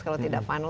kalau tidak final